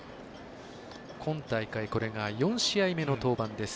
今大会これが４試合目の登板です。